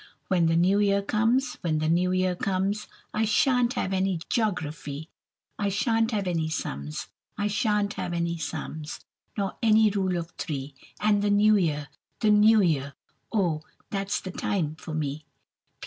When the new year comes, When the new year comes, I sha'n't have any joggraphy, I sha'n't have any sums. I sha'n't have any sums, Nor any rule of three, And the new year, the new year Oh, that's the time for me.